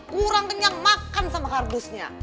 kurang kenyang makan sama kardusnya